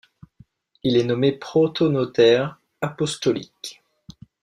Il est nommé protonotaire apostolique.